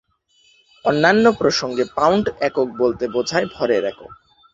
অন্যান্য প্রসঙ্গে, "পাউন্ড" একক বলতে বোঝায় ভরের একক।